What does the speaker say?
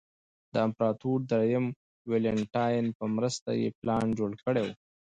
د امپراتور درېیم والنټیناین په مرسته یې پلان جوړ کړی و